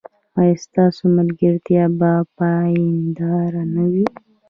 ایا ستاسو ملګرتیا به پایداره نه وي؟